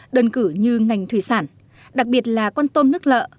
đơn cử như ngành thủy sản đặc biệt là con tôm nước lợ